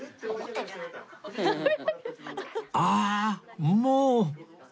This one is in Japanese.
ああもう！